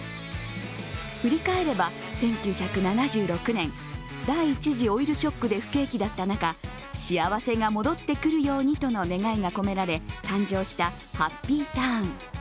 振り返れば１９７６年、第一次オイルショックで不景気だった中、幸せが戻ってくるようにとの願いが込められ誕生したハッピーターン。